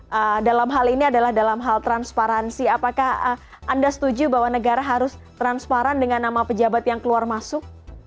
yang dalam hal ini adalah dalam hal transparansi apakah anda setuju bahwa negara harus transparan dengan nama pejabat yang keluar masuk